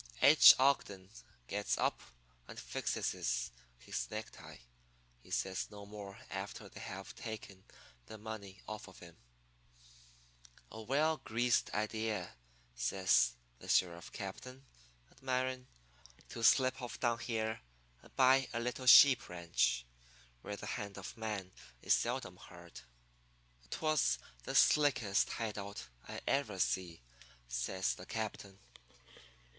"H. Ogden gets up and fixes his necktie. He says no more after they have taken the money off of him. "'A well greased idea,' says the sheriff captain, admiring, 'to slip off down here and buy a little sheep ranch where the hand of man is seldom heard. It was the slickest hide out I ever see,' says the captain.